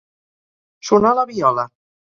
Sonar la viola.